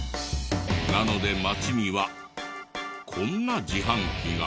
なので街にはこんな自販機が。